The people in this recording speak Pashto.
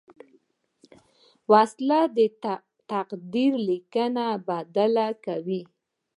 وسله د تقدیر لیکنه بدله کوي